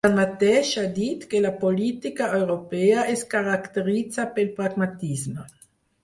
Tanmateix, ha dit que la política europea es caracteritza pel pragmatisme.